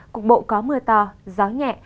cục bộ có mưa to gió nhẹ